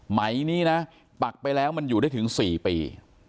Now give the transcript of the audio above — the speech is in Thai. ไหมนี้นะปักไปแล้วมันอยู่ได้ถึง๔ปี